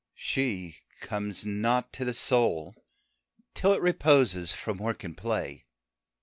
She comes not to the Soul till it reposes From work and play.